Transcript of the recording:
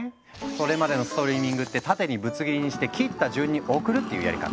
それまでのストリーミングってタテにぶつ切りにして切った順に送るっていうやり方。